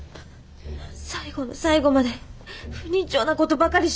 最後の最後まで不人情な事ばかりして！